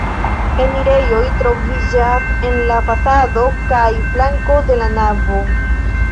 Enirejoj troviĝas en la fasado kaj flanko de la navo.